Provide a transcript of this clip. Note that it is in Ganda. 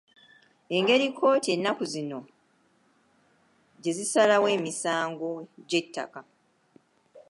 Engeri kkooti ennaku zino gye zisalawo emisango gy’ettaka